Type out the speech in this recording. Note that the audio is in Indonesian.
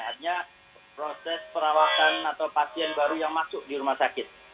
artinya proses perawatan atau pasien baru yang masuk di rumah sakit